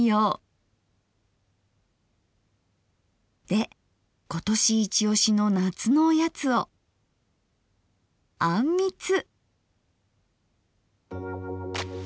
で今年イチオシの夏のおやつを「あんみつ」。